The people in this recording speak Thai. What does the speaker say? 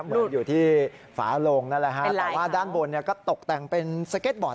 เหมือนอยู่ที่ฝาโลงนั่นแหละฮะแต่ว่าด้านบนเนี่ยก็ตกแต่งเป็นสเก็ตบอร์ด